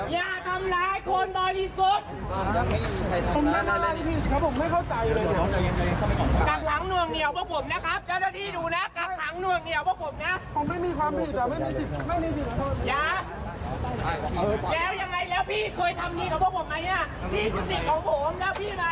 อย่าแล้วยังไงแล้วพี่เคยทำงานนี้กับพวกผมไหมฮะ